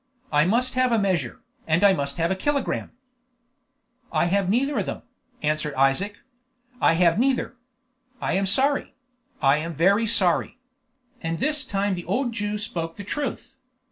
"I must have a measure, and I must have a kilogramme." "I have neither of them," answered Isaac. "I have neither. I am sorry; I am very sorry." And this time the old Jew spoke the truth.